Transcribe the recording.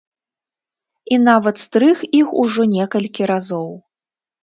І нават стрыг іх ужо некалькі разоў.